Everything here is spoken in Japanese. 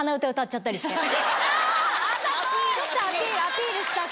ちょっとアピールしたくて。